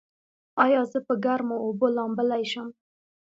ایا زه په ګرمو اوبو لامبلی شم؟